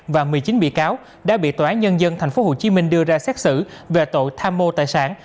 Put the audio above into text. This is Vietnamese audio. và một mươi chín bị cáo đã bị tòa án nhân dân tp hcm đưa ra xét xử về tội tham mô tài sản